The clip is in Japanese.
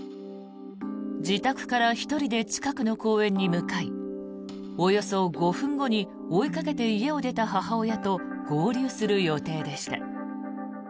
自宅から１人で近くの公園に向かいおよそ５分後に追いかけて家を出た母親と合流する予定でした。